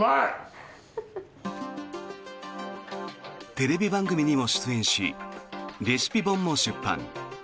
テレビ番組にも出演しレシピ本も出版。